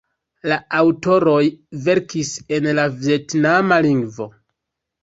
La aŭtoroj verkis en la vjetnama lingvo.